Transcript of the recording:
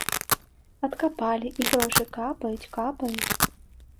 Адкапалі, і грошы капаюць, капаюць.